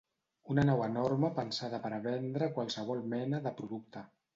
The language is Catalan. Una nau enorme pensada per a vendre qualsevol mena de producte.